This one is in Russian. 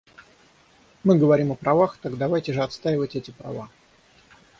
Мы говорим о правах, так давайте же отстаивать эти права.